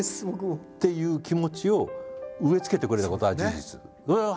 僕も。っていう気持ちを植えつけてくれたことは事実。